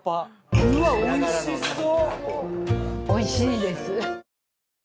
うわっおいしそう。